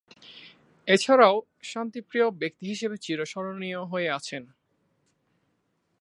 এছাড়াও, শান্তিপ্রিয় ব্যক্তি হিসেবে চীরস্মরণীয় হয়ে আছেন।